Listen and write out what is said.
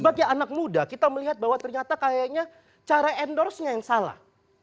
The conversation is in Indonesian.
sebagai anak muda kita melihat bahwa ternyata kayaknya cara endorse nya yang salah